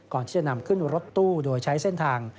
ก่อนที่จะนำขึ้นรถตู้โดยใช้เส้นทาง